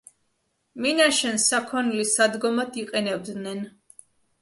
მინაშენს საქონლის სადგომად იყენებდნენ.